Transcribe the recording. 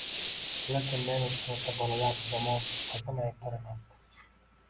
Lekin men uchun o`sha bolalar yomon, qizim aybdor emasdi